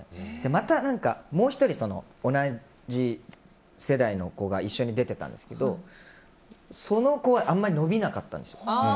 また、もう１人同じ世代の子が一緒に出てたんですけどその子はあまり伸びなかったんですよ。